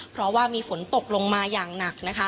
เพราะว่ามีฝนตกลงมาอย่างหนักนะคะ